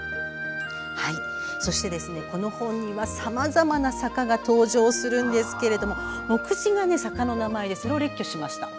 そして、この本にはさまざまな坂が登場するんですが目次が坂の名前でそれを列挙しました。